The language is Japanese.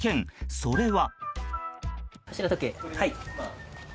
それは。